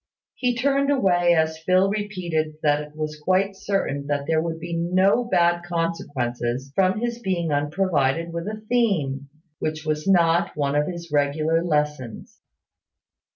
He turned away as Phil repeated that it was quite certain that there would be no bad consequences from his being unprovided with a theme, which was not one of his regular lessons.